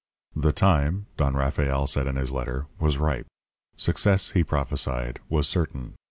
"The time, Don Rafael said in his letter, was ripe. Success, he prophesied, was certain.